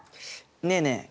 ねえねえ